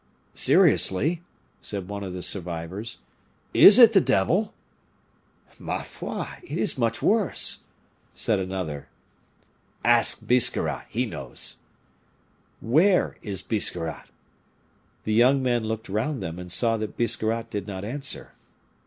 "Seriously," said one of the survivors, "is it the devil?" "Ma foi! it is much worse," said another. "Ask Biscarrat, he knows." "Where is Biscarrat?" The young men looked round them, and saw that Biscarrat did not answer.